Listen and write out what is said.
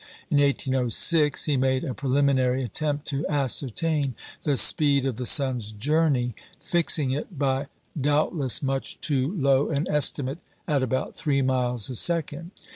In 1806, he made a preliminary attempt to ascertain the speed of the sun's journey, fixing it, by doubtless much too low an estimate, at about three miles a second.